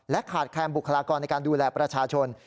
ขาดแคลนบุคลากรในการดูแลประชาชน